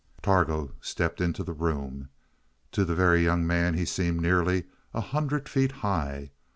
Targo stepped into the room. To the Very Young Man he seemed nearly a hundred feet high.